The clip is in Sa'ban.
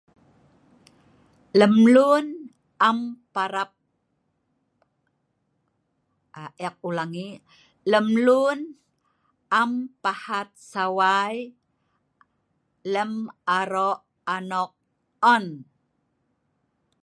lem lun am parap, eek ulangi, lem lun am pahat sawai lem aro' anok on